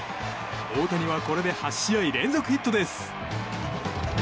大谷はこれで８試合連続ヒットです。